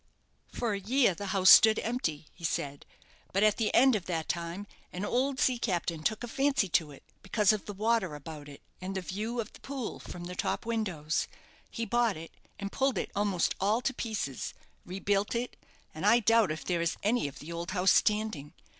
"For a year the house stood empty," he said; "but at the end of that time an old sea captain took a fancy to it because of the water about it, and the view of the Pool from the top windows. He bought it, and pulled it almost all to pieces, rebuilt it, and I doubt if there is any of the old house standing.